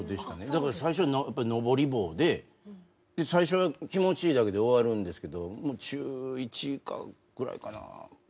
だから最初やっぱのぼり棒で最初気持ちいいだけで終わるんですけど中１かぐらいかな。